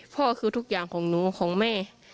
พ่อคือทุกอย่างของหนูของแม่